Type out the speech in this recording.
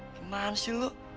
gimana sih lu